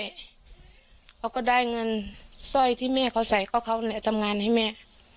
พวกเขาก็ได้เงินซ่อยที่แม่เขาใส่ก็เขาทั่งงานให้แม่